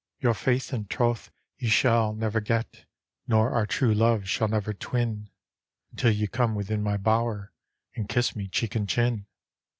" Your faith and troth ye sail never get, Nor our true love sail never twin, Until ye come within my bower, And Iciss me cheek and chin."